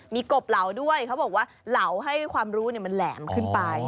มีกบเหลาด้วยเขาบอกว่าเหลาให้ความรู้มันแหลมขึ้นไป